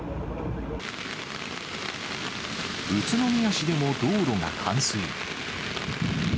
宇都宮市でも道路が冠水。